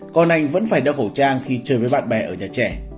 con anh vẫn phải đeo khẩu trang khi chơi với bạn bè ở nhà trẻ